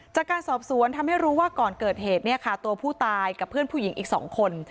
จากการสอบสวนทำให้รู้ว่าก่อนเกิดเหตุเนี่ยค่ะตัวผู้ตายกับเพื่อนผู้หญิงอีก๒คน